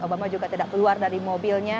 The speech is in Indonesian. obama juga tidak keluar dari mobilnya